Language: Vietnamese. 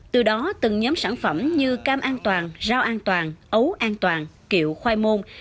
từ đó từng nhóm sản phẩm như cam an toàn rau an toàn ấu an toàn kiệu khoai môn